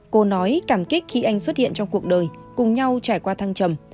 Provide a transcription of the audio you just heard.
cô nói cảm kích khi anh xuất hiện trong cuộc đời cùng nhau trải qua thăng trầm